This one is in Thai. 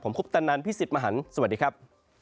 ผมคุปตะนันพี่สิทธิ์มหันฯสวัสดีครับ